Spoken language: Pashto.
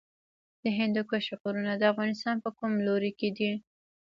د هندوکش غرونه د افغانستان په کوم لوري کې دي؟